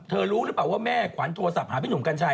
รู้หรือเปล่าว่าแม่ขวัญโทรศัพท์หาพี่หนุ่มกัญชัย